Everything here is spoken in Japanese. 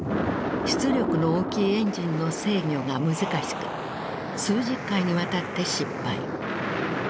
出力の大きいエンジンの制御が難しく数十回にわたって失敗。